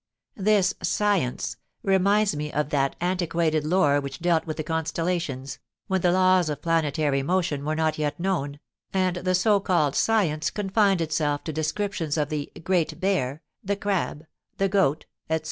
This "science" reminds me of that antiquated lore which dealt with the constellations, when the laws of planetary motion were not yet known, and the so called science confined itself to descriptions of the "Great Bear," the "Crab," the "Goat," etc.